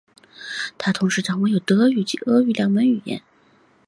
他同时掌握有德语及俄语两门语言。